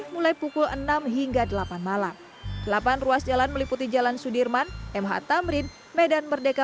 mulai pukul enam hingga delapan malam delapan ruas jalan meliputi jalan sudirman mh tamrin medan merdeka